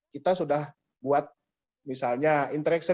kita sudah buat misalnya interaksi